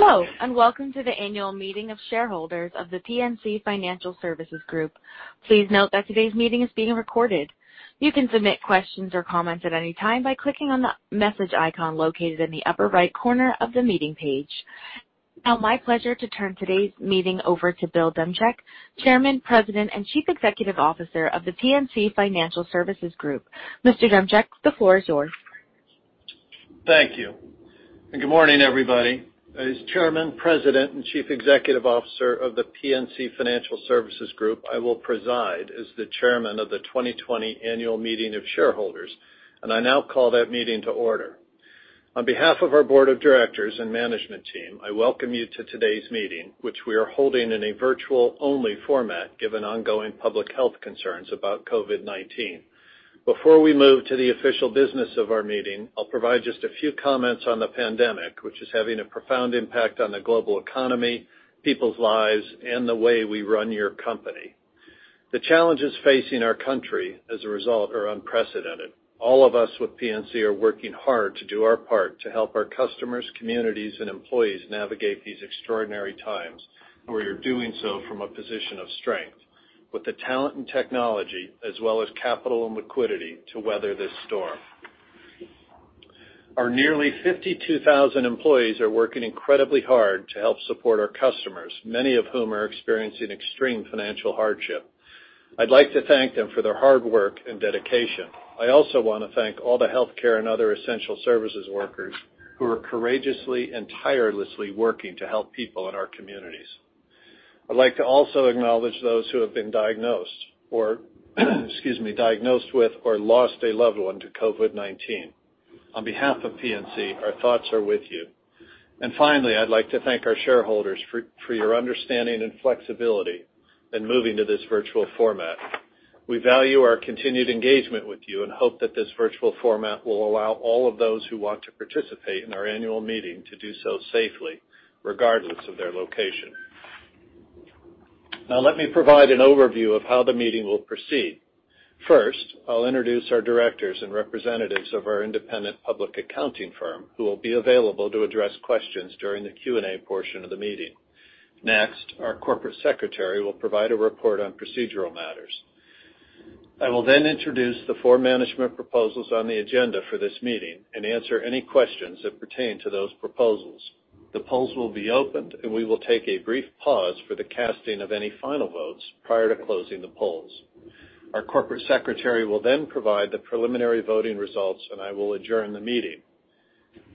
Hello, and welcome to the annual meeting of shareholders of The PNC Financial Services Group. Please note that today's meeting is being recorded. You can submit questions or comments at any time by clicking on the message icon located in the upper right corner of the meeting page. My pleasure to turn today's meeting over to Bill Demchak, Chairman, President, and Chief Executive Officer of The PNC Financial Services Group. Mr. Demchak, the floor is yours. Thank you. Good morning, everybody. As Chairman, President, and Chief Executive Officer of The PNC Financial Services Group, I will preside as the Chairman of the 2020 Annual Meeting of Shareholders, and I now call that meeting to order. On behalf of our Board of Directors and management team, I welcome you to today's meeting, which we are holding in a virtual-only format given ongoing public health concerns about COVID-19. Before we move to the official business of our meeting, I'll provide just a few comments on the pandemic, which is having a profound impact on the global economy, people's lives, and the way we run your company. The challenges facing our country as a result are unprecedented. All of us with PNC are working hard to do our part to help our customers, communities, and employees navigate these extraordinary times. We are doing so from a position of strength with the talent and technology, as well as capital and liquidity to weather this storm. Our nearly 52,000 employees are working incredibly hard to help support our customers, many of whom are experiencing extreme financial hardship. I'd like to thank them for their hard work and dedication. I also want to thank all the healthcare and other essential services workers who are courageously and tirelessly working to help people in our communities. I'd like to also acknowledge those who have been diagnosed with or lost a loved one to COVID-19. On behalf of PNC, our thoughts are with you. Finally, I'd like to thank our shareholders for your understanding and flexibility in moving to this virtual format. We value our continued engagement with you and hope that this virtual format will allow all of those who want to participate in our annual meeting to do so safely, regardless of their location. Let me provide an overview of how the meeting will proceed. First, I'll introduce our directors and representatives of our independent public accounting firm, who will be available to address questions during the Q&A portion of the meeting. Our corporate secretary will provide a report on procedural matters. I will then introduce the four management proposals on the agenda for this meeting and answer any questions that pertain to those proposals. The polls will be opened, and we will take a brief pause for the casting of any final votes prior to closing the polls. Our corporate secretary will then provide the preliminary voting results, and I will adjourn the meeting.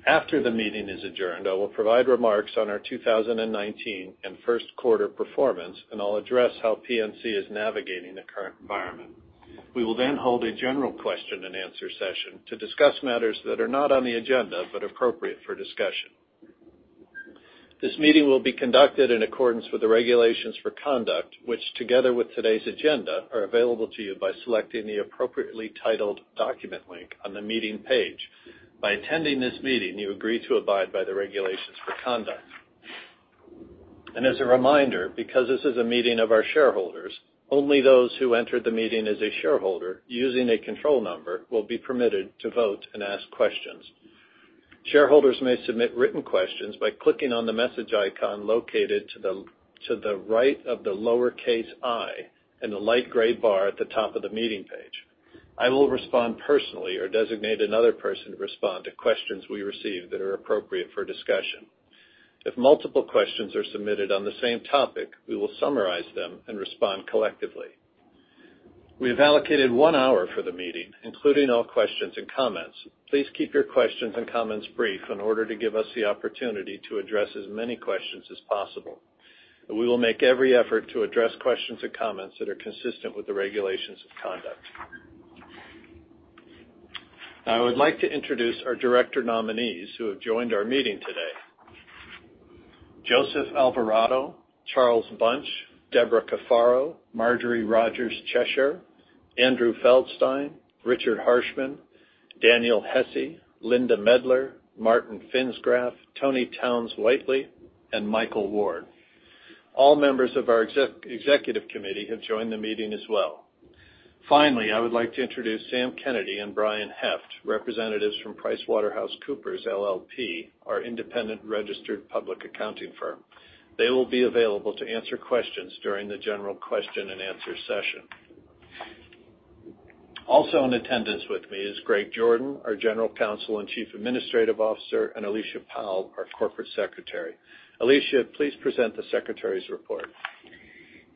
After the meeting is adjourned, I will provide remarks on our 2019 and first quarter performance, and I'll address how PNC is navigating the current environment. We will then hold a general question and answer session to discuss matters that are not on the agenda but appropriate for discussion. This meeting will be conducted in accordance with the regulations for conduct, which together with today's agenda, are available to you by selecting the appropriately titled document link on the meeting page. By attending this meeting, you agree to abide by the regulations for conduct. As a reminder, because this is a meeting of our shareholders, only those who entered the meeting as a shareholder using a control number will be permitted to vote and ask questions. Shareholders may submit written questions by clicking on the message icon located to the right of the lowercase "i" in the light gray bar at the top of the meeting page. I will respond personally or designate another person to respond to questions we receive that are appropriate for discussion. If multiple questions are submitted on the same topic, we will summarize them and respond collectively. We have allocated one hour for the meeting, including all questions and comments. Please keep your questions and comments brief in order to give us the opportunity to address as many questions as possible. We will make every effort to address questions and comments that are consistent with the regulations of conduct. Now I would like to introduce our director nominees who have joined our meeting today. Joseph Alvarado, Charles Bunch, Debra Cafaro, Marjorie Rodgers Cheshire, Andrew Feldstein, Richard Harshman, Daniel Hesse, Linda Medler, Martin Pfinsgraff, Toni Townes-Whitley, and Michael Ward. All members of our executive committee have joined the meeting as well. Finally, I would like to introduce Sam Kennedy and Brian Heft, representatives from PricewaterhouseCoopers, LLP, our independent registered public accounting firm. They will be available to answer questions during the general question and answer session. Also in attendance with me is Greg Jordan, our General Counsel and Chief Administrative Officer, and Alicia Powell, our Corporate Secretary. Alicia, please present the secretary's report.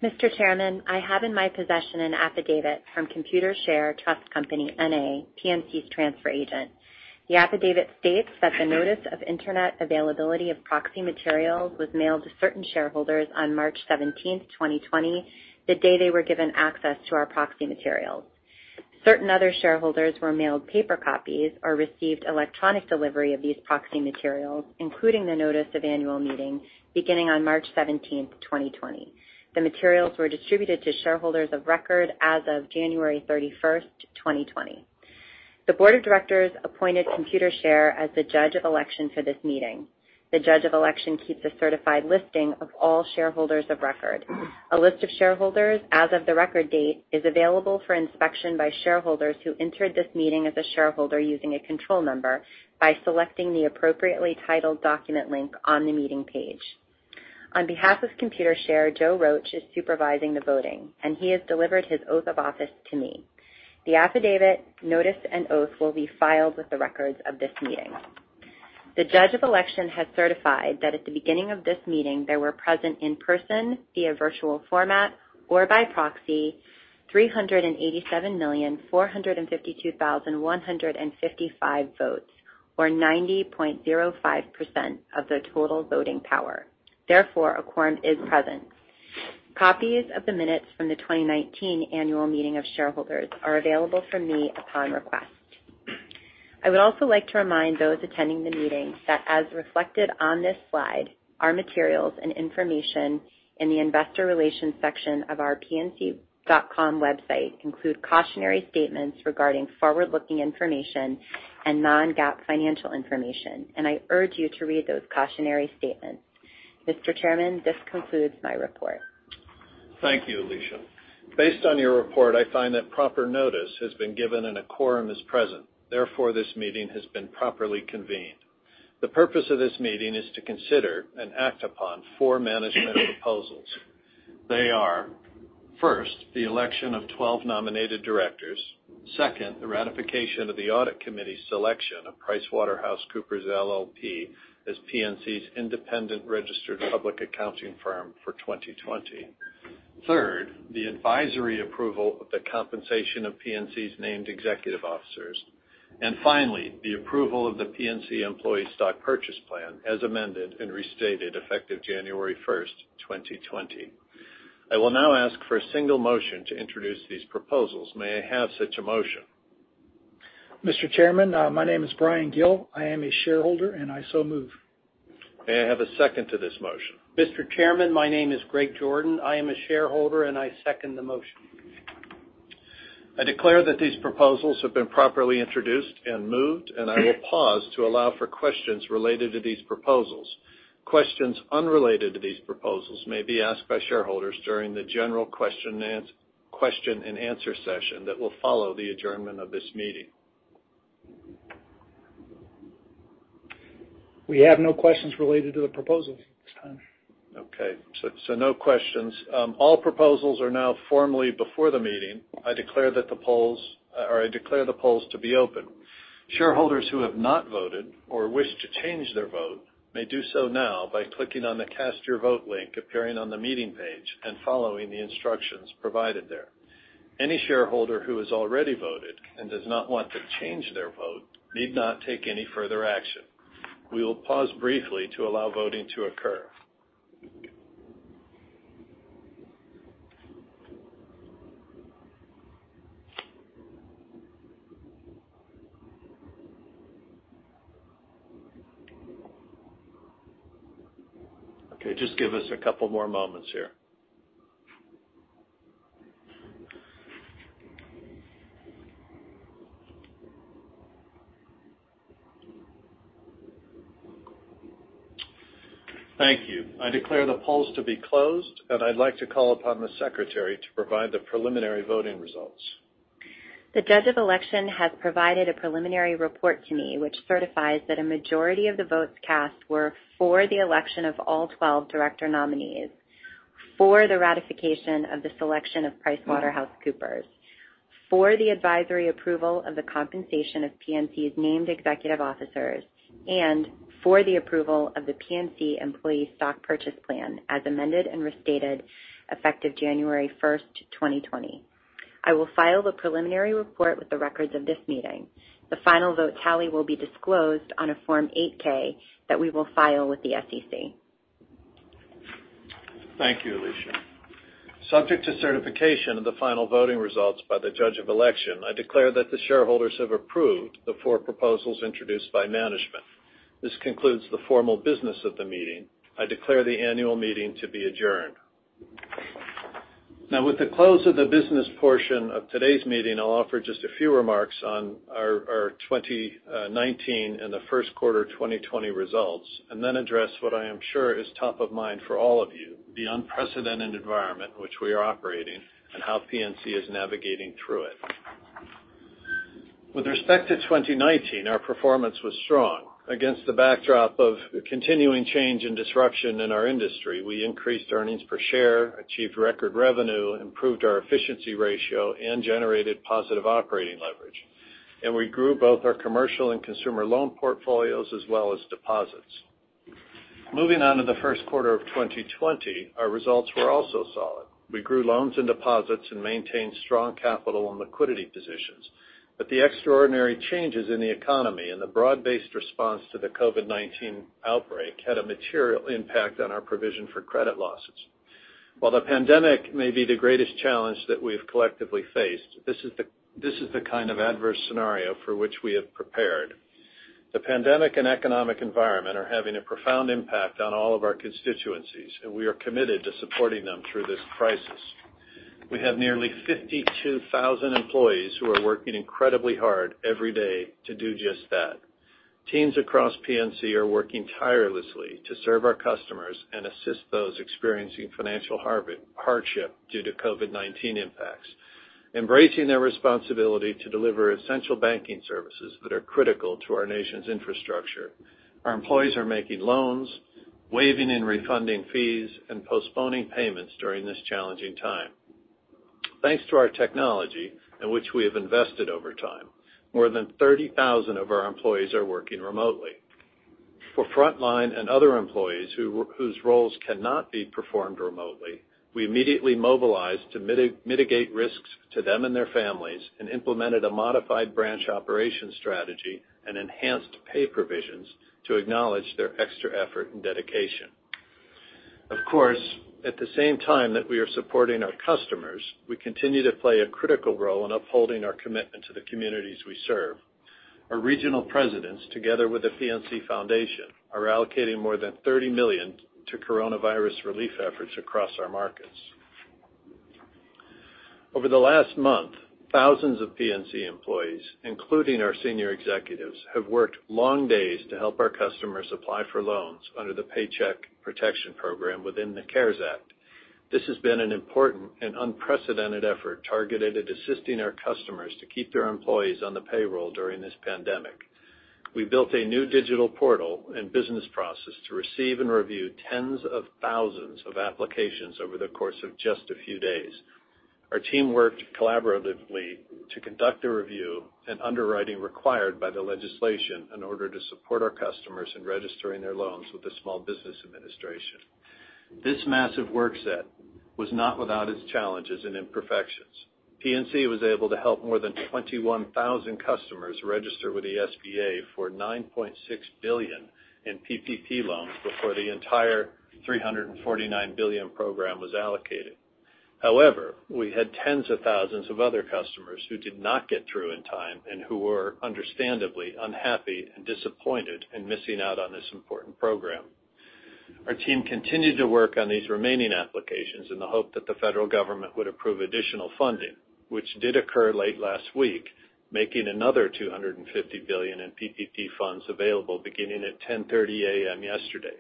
Mr. Chairman, I have in my possession an affidavit from Computershare Trust Company, N.A., PNC's transfer agent. The affidavit states that the notice of internet availability of proxy materials was mailed to certain shareholders on March 17th, 2020, the day they were given access to our proxy materials. Certain other shareholders were mailed paper copies or received electronic delivery of these proxy materials, including the notice of annual meeting beginning on March 17th, 2020. The materials were distributed to shareholders of record as of January 31st, 2020. The Board of Directors appointed Computershare as the judge of election for this meeting. The judge of election keeps a certified listing of all shareholders of record. A list of shareholders as of the record date is available for inspection by shareholders who entered this meeting as a shareholder using a control number by selecting the appropriately titled document link on the meeting page. On behalf of Computershare, Joe Roach is supervising the voting, and he has delivered his oath of office to me. The affidavit, notice, and oath will be filed with the records of this meeting. The Judge of Election has certified that at the beginning of this meeting, there were present in person, via virtual format, or by proxy, 387,452,155 votes, or 90.05% of the total voting power. Therefore, a quorum is present. Copies of the minutes from the 2019 annual meeting of shareholders are available from me upon request. I would also like to remind those attending the meeting that as reflected on this slide, our materials and information in the investor relations section of our pnc.com website include cautionary statements regarding forward-looking information and non-GAAP financial information, and I urge you to read those cautionary statements. Mr. Chairman, this concludes my report. Thank you, Alicia. Based on your report, I find that proper notice has been given and a quorum is present. Therefore, this meeting has been properly convened. The purpose of this meeting is to consider and act upon four management proposals. They are, first, the election of 12 nominated directors. Second, the ratification of the Audit Committee's selection of PricewaterhouseCoopers, LLP as PNC's independent registered public accounting firm for 2020. Third, the advisory approval of the compensation of PNC's named executive officers. Finally, the approval of the PNC Employee Stock Purchase Plan as amended and restated effective January 1st, 2020. I will now ask for a single motion to introduce these proposals. May I have such a motion? Mr. Chairman, my name is Bryan Gill. I am a shareholder, and I so move. May I have a second to this motion? Mr. Chairman, my name is Greg Jordan. I am a shareholder, and I second the motion. I declare that these proposals have been properly introduced and moved. I will pause to allow for questions related to these proposals. Questions unrelated to these proposals may be asked by shareholders during the general question and answer session that will follow the adjournment of this meeting. We have no questions related to the proposals at this time. Okay. No questions. All proposals are now formally before the meeting. I declare the polls to be open. Shareholders who have not voted or wish to change their vote may do so now by clicking on the Cast Your Vote link appearing on the meeting page and following the instructions provided there. Any shareholder who has already voted and does not want to change their vote need not take any further action. We will pause briefly to allow voting to occur. Okay, just give us a couple more moments here. Thank you. I declare the polls to be closed, and I'd like to call upon the secretary to provide the preliminary voting results. The Judge of Election has provided a preliminary report to me, which certifies that a majority of the votes cast were for the election of all 12 director nominees, for the ratification of the selection of PricewaterhouseCoopers, for the advisory approval of the compensation of PNC's named executive officers, and for the approval of the PNC Employee Stock Purchase Plan as amended and restated effective January 1st, 2020. I will file the preliminary report with the records of this meeting. The final vote tally will be disclosed on a Form 8-K that we will file with the SEC. Thank you, Alicia. Subject to certification of the final voting results by the Judge of Election, I declare that the shareholders have approved the four proposals introduced by management. This concludes the formal business of the meeting. I declare the annual meeting to be adjourned. With the close of the business portion of today's meeting, I'll offer just a few remarks on our 2019 and the first quarter 2020 results, and then address what I am sure is top of mind for all of you, the unprecedented environment which we are operating in and how PNC is navigating through it. With respect to 2019, our performance was strong. Against the backdrop of continuing change and disruption in our industry, we increased earnings per share, achieved record revenue, improved our efficiency ratio, and generated positive operating leverage. We grew both our commercial and consumer loan portfolios as well as deposits. Moving on to the first quarter of 2020, our results were also solid. We grew loans and deposits and maintained strong capital and liquidity positions. The extraordinary changes in the economy and the broad-based response to the COVID-19 outbreak had a material impact on our provision for credit losses. While the pandemic may be the greatest challenge that we've collectively faced, this is the kind of adverse scenario for which we have prepared. The pandemic and economic environment are having a profound impact on all of our constituencies, and we are committed to supporting them through this crisis. We have nearly 52,000 employees who are working incredibly hard every day to do just that. Teams across PNC are working tirelessly to serve our customers and assist those experiencing financial hardship due to COVID-19 impacts. Embracing their responsibility to deliver essential banking services that are critical to our nation's infrastructure, our employees are making loans, waiving and refunding fees, and postponing payments during this challenging time. Thanks to our technology, in which we have invested over time, more than 30,000 of our employees are working remotely. For frontline and other employees whose roles cannot be performed remotely, we immediately mobilized to mitigate risks to them and their families, and implemented a modified branch operation strategy and enhanced pay provisions to acknowledge their extra effort and dedication. Of course, at the same time that we are supporting our customers, we continue to play a critical role in upholding our commitment to the communities we serve. Our regional presidents, together with the PNC Foundation, are allocating more than $30 million to coronavirus relief efforts across our markets. Over the last month, thousands of PNC employees, including our senior executives, have worked long days to help our customers apply for loans under the Paycheck Protection Program within the CARES Act. This has been an important and unprecedented effort targeted at assisting our customers to keep their employees on the payroll during this pandemic. We built a new digital portal and business process to receive and review tens of thousands of applications over the course of just a few days. Our team worked collaboratively to conduct a review and underwriting required by the legislation in order to support our customers in registering their loans with the Small Business Administration. This massive work set was not without its challenges and imperfections. PNC was able to help more than 21,000 customers register with the SBA for $9.6 billion in PPP loans before the entire $349 billion program was allocated. We had tens of thousands of other customers who did not get through in time and who were understandably unhappy and disappointed in missing out on this important program. Our team continued to work on these remaining applications in the hope that the federal government would approve additional funding, which did occur late last week, making another $250 billion in PPP funds available beginning at 10:30 A.M. yesterday.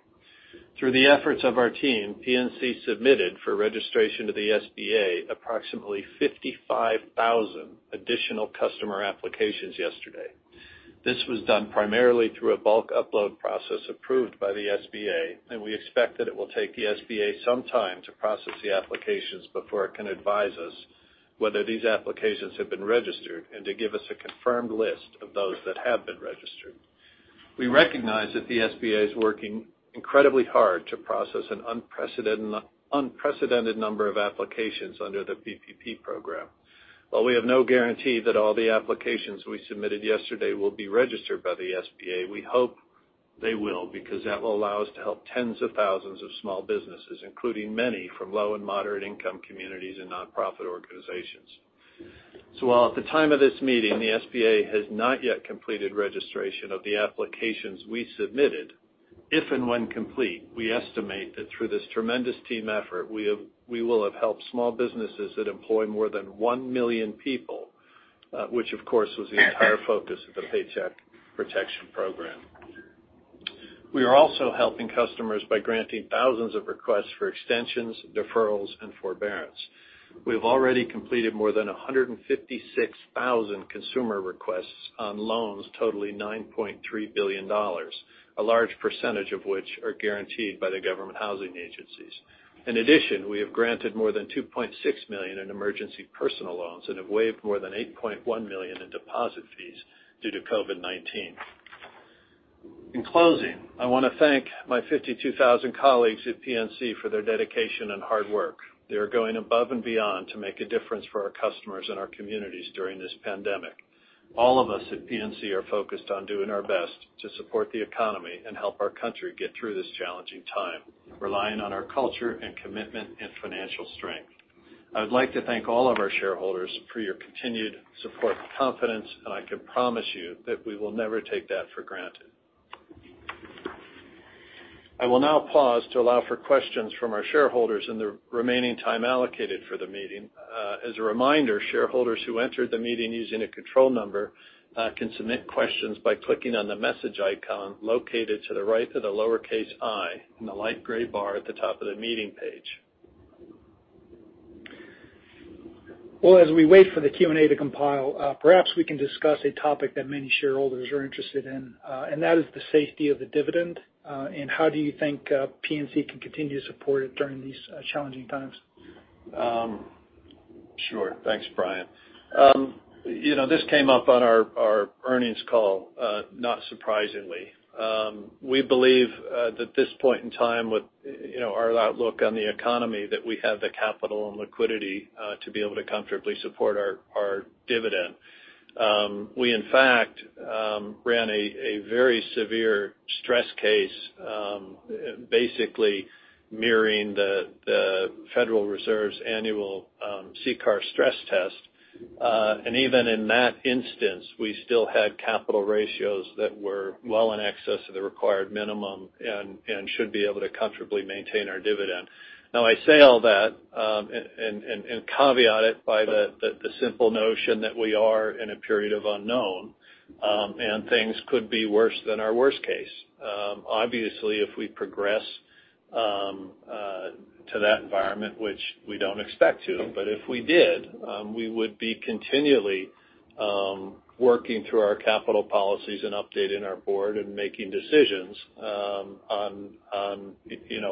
Through the efforts of our team, PNC submitted for registration to the SBA approximately 55,000 additional customer applications yesterday. This was done primarily through a bulk upload process approved by the SBA, and we expect that it will take the SBA some time to process the applications before it can advise us whether these applications have been registered and to give us a confirmed list of those that have been registered. We recognize that the SBA is working incredibly hard to process an unprecedented number of applications under the PPP program. While we have no guarantee that all the applications we submitted yesterday will be registered by the SBA, we hope they will, because that will allow us to help tens of thousands of small businesses, including many from low and moderate income communities and nonprofit organizations. While at the time of this meeting, the SBA has not yet completed registration of the applications we submitted, if and when complete, we estimate that through this tremendous team effort, we will have helped small businesses that employ more than 1 million people, which of course, was the entire focus of the Paycheck Protection Program. We are also helping customers by granting thousands of requests for extensions, deferrals, and forbearance. We have already completed more than 156,000 consumer requests on loans totaling $9.3 billion, a large percentage of which are guaranteed by the government housing agencies. In addition, we have granted more than $2.6 million in emergency personal loans and have waived more than $8.1 million in deposit fees due to COVID-19. In closing, I want to thank my 52,000 colleagues at PNC for their dedication and hard work. They are going above and beyond to make a difference for our customers and our communities during this pandemic. All of us at PNC are focused on doing our best to support the economy and help our country get through this challenging time, relying on our culture and commitment and financial strength. I would like to thank all of our shareholders for your continued support and confidence, I can promise you that we will never take that for granted. I will now pause to allow for questions from our shareholders in the remaining time allocated for the meeting. As a reminder, shareholders who entered the meeting using a control number can submit questions by clicking on the message icon located to the right of the lowercase "i" in the light gray bar at the top of the meeting page. Well, as we wait for the Q&A to compile, perhaps we can discuss a topic that many shareholders are interested in, and that is the safety of the dividend, and how do you think PNC can continue to support it during these challenging times? Sure. Thanks, Bryan. This came up on our earnings call, not surprisingly. We believe at this point in time with our outlook on the economy, that we have the capital and liquidity to be able to comfortably support our dividend. We, in fact, ran a very severe stress case, basically mirroring the Federal Reserve's annual CCAR stress test. Even in that instance, we still had capital ratios that were well in excess of the required minimum and should be able to comfortably maintain our dividend. I say all that, and caveat it by the simple notion that we are in a period of unknown, and things could be worse than our worst case. Obviously, if we progress to that environment, which we don't expect to, but if we did, we would be continually working through our capital policies and updating our board and making decisions on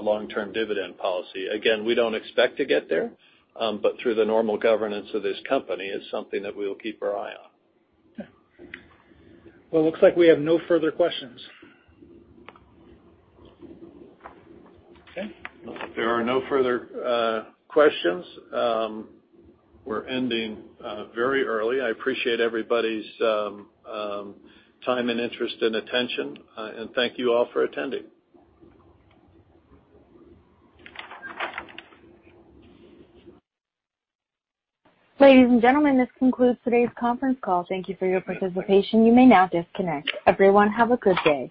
long-term dividend policy. Again, we don't expect to get there, but through the normal governance of this company, it's something that we will keep our eye on. Well, looks like we have no further questions. Okay. If there are no further questions, we're ending very early. I appreciate everybody's time and interest and attention, and thank you all for attending. Ladies and gentlemen, this concludes today's conference call. Thank you for your participation. You may now disconnect. Everyone, have a good day.